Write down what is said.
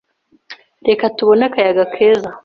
Reka tubone akayaga keza.